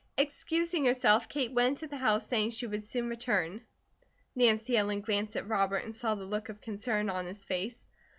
Excusing herself Kate went into the house saying she would soon return. Nancy Ellen glanced at Robert, and saw the look of concern on his face.